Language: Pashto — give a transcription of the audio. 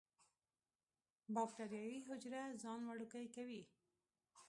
باکټریايي حجره ځان وړوکی کوي.